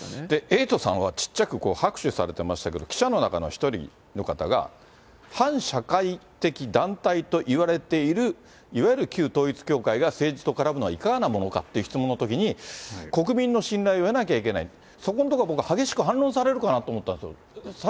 エイトさんは小っちゃく拍手されてましたけれども、記者の中の１人の方が、反社会的団体といわれている、いわゆる旧統一教会が政治と絡むのはいかがなものかっていう質問のときに、国民の信頼を得なきゃいけない、そこのところは僕、激しく反論されるかなと思ったんですよ。